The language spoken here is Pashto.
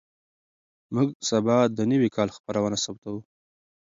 موږ سبا د نوي کال خپرونه ثبتوو.